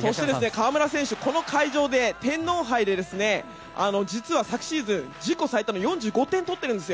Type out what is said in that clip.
そして、河村選手はこの会場で天皇杯で実は、昨シーズン自己最多の４５点を取っています。